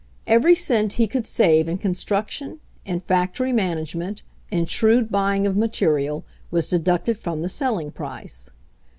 Every cent he could save in con struction, in factory managment, in shrewd buy ing of material was deducted from the selling price.